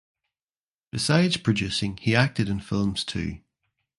Besides producing he acted in films too.